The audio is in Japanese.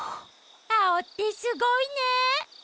アオってすごいね。